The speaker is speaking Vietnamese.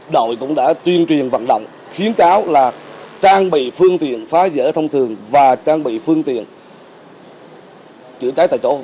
đội cũng đã tuyên truyền vận động khiến cáo là trang bị phương tiện phá dỡ thông thường và trang bị phương tiện chữa trái tại chỗ